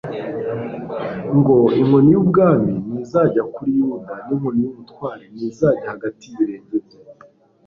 ngo : "Inkoni y'ubwami ntizajya kuri Yuda n'inkoni y'ubutware ntizajya hagati y' ibirenge bye,